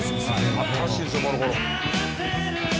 新しいですよこの頃。